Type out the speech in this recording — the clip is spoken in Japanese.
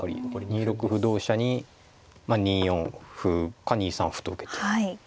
２六歩同飛車に２四歩か２三歩と受けて。